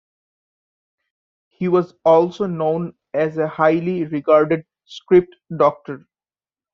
He was also known as a highly regarded script doctor.